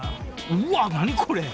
うわっ何これ！？